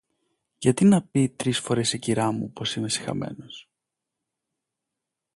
Και γιατί να με πει τρεις φορές η κυρά μου πως είμαι σιχαμένος;.